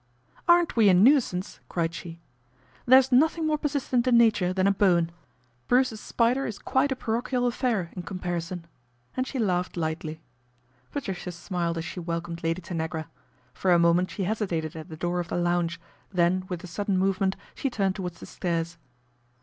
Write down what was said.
" Aren't we a nuisance ?" cried she. " There's nothing more persistent in nature than a Bowen. 172 PATRICIA BRENT, SPINSTER Bruce's spider is quite a parochial affair in com parison," and she laughed lightly. Patricia smiled as she welcomed Lady Tanagra. For a moment she hesitated at the door of the lounge, then with a sudden movement she turned towards the stairs.